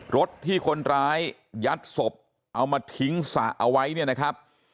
รถที่คนร้ายยัดศพเอามาทิ้งสระเอาไว้เนี่ยนะครับ